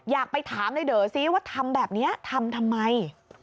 อยากไปถามในเด๋อซิว่าทำแบบนี้ทำทำไม